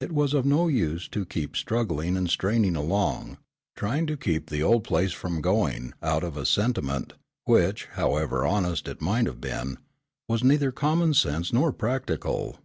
It was of no use to keep struggling and straining along, trying to keep the old place from going, out of a sentiment, which, however honest it might have been, was neither common sense nor practical.